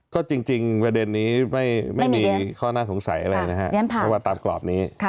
ก็จริงประเด็นนี้ไม่มีข้อน่าสงสัยอะไรนะครับเพราะว่าตามกรอบนี้